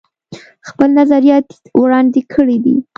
خپل نظريات وړاندې کړي دي